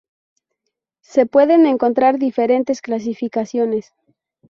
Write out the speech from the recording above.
Se pueden encontrar diferentes clasificaciones.